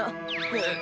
えっ。